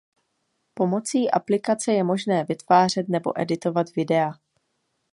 Pomocí aplikace je možné vytvářet nebo editovat videa.